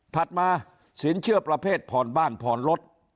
มาสินเชื่อประเภทผ่อนบ้านผ่อนรถ